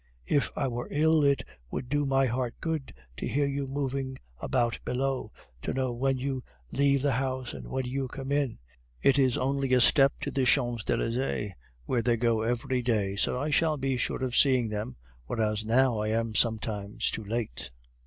If I were ill, it would do my heart good to hear you moving about below, to know when you leave the house and when you come in. It is only a step to the Champs Elysees, where they go every day, so I shall be sure of seeing them, whereas now I am sometimes too late.